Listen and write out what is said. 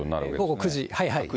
午後９時。